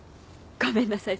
ごめんなさい